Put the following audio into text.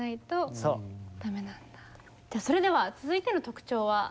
それでは続いての特徴は？